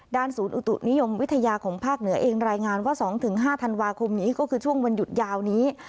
ศูนย์อุตุนิยมวิทยาของภาคเหนือเองรายงานว่า๒๕ธันวาคมนี้ก็คือช่วงวันหยุดยาวนี้